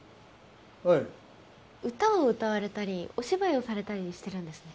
はい歌を歌われたりお芝居をされたりしてるんですね